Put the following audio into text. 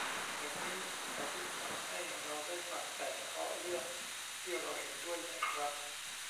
แบบนี้จะยิ่งทำให้เราได้ฟังแต่เฉพาะเรื่องที่เราเห็นด้วยไหมครับ